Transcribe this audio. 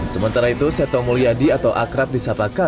sementara itu seto mulyadi atau akrab disapaka